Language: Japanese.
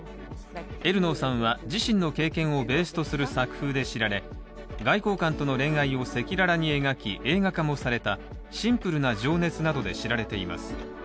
エルノーさんは自身の経験をベースとする作風が知られ外交官との恋愛を赤裸々に描き、映画化もされた「シンプルな情熱」などで知られています。